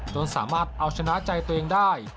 จนสามารถเอาชนะใจตัวเองได้